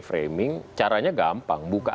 framing caranya gampang buka